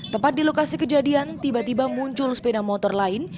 tepat di lokasi kejadian tiba tiba muncul sepeda motor lain